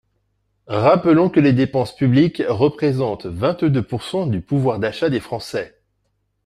Rappelons que les dépenses publiques représentent vingt-deux pourcent du pouvoir d’achat des Français.